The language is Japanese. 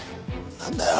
なんだよ。